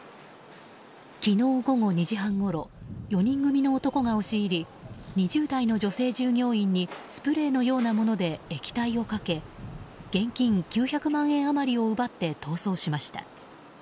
昨日午後２時半ごろ４人組の男が押し入り２０代の女性従業員にスプレーのようなもので液体をかけ現金９００万円余りを奪って逃走しました。